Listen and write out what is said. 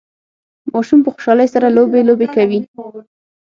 ماشوم په خوشحالۍ سره لوبي لوبې کوي